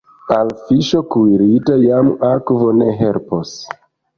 Al fiŝo kuirita jam akvo ne helpos.